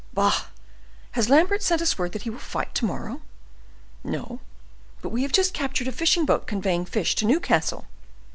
"Bah! Has Lambert sent us word that he will fight to morrow?" "No; but we have just captured a fishing boat conveying fish to Newcastle."